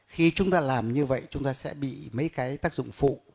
khi chúng ta làm như vậy chúng ta sẽ bị mấy cái tác dụng phụ